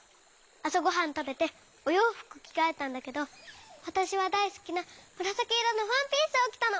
あさごはんたべておようふくきがえたんだけどわたしはだいすきなむらさきいろのワンピースをきたの。